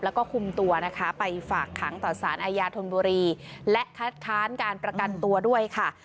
แล้วก็คุมตัวนะคะไปฝากขังต่อสารอาญาธนบุรีและคัดค้านการประกันตัวด้วยค่ะ